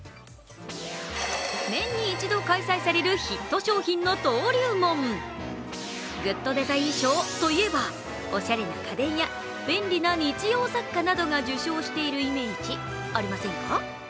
年に一度開催されるヒット商品の登竜門グッドデザイン賞といえばおしゃれな家電や便利な日用雑貨などが受賞しているイメージ、ありませんか？